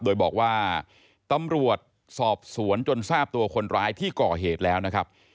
โดยบอกว่าตำรวจสอบสวนจนทราบตัวคนร้ายที่ก่อเหตุแล้วนะครับ